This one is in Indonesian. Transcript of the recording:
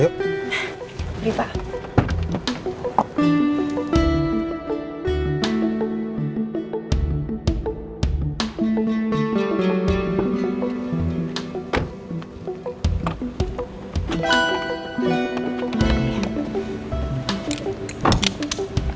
kat kita udah sampai rumah sakit